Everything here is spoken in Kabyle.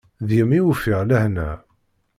Deg-m i ufiɣ lehna.